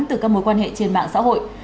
từ các mối quan hệ trên mạng xã hội